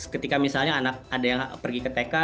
ketika misalnya anak ada yang pergi ke tk